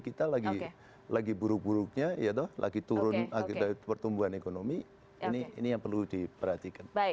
kita lagi lagi buruk buruknya yaitu lagi turun akhir pertumbuhan ekonomi ini ini yang perlu diperhatikan